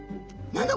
何だ？